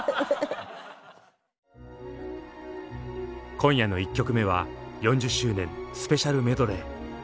今夜の１曲目は４０周年スペシャルメドレー。